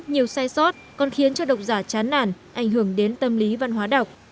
nhiều sai sót còn khiến cho độc giả chán nản ảnh hưởng đến tâm lý văn hóa đọc